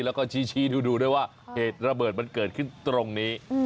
แล้วก็ชี้ดูด้วยว่าเหตุระเบิดมันเกิดขึ้นตรงนี้